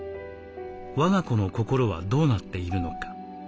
我が子の心はどうなっているのか。